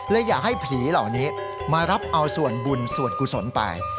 อยากให้ผีเหล่านี้มารับเอาส่วนบุญส่วนกุศลไป